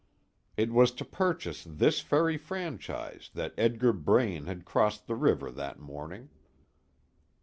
It was to purchase this ferry franchise that Edgar Braine had crossed the river that morning.